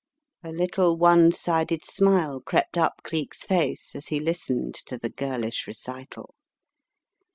..." A little one sided smile crept up Cleek's face as he listened to the girlish recital.